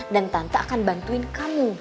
dan tante akan bantuin kamu